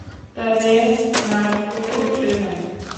তবে মারফু সূত্রে নয়।